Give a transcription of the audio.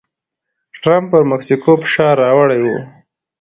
ټرمپ پر مکسیکو فشار راوړی و.